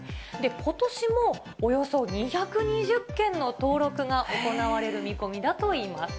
ことしもおよそ２２０件の登録が行われる見込みだといいます。